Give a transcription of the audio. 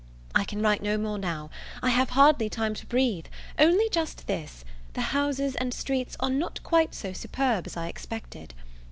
I can write no more now. I have hardly time to breathe only just this, the houses and streets are not quite so superb as I expected.